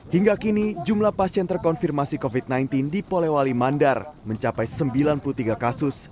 hingga kini jumlah pasien terkonfirmasi covid sembilan belas di polewali mandar mencapai sembilan puluh tiga kasus